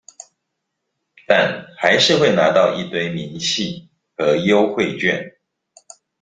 但還是會拿到一堆明細和優惠券